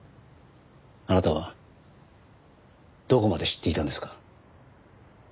あなたはどこまで知っていたんですか？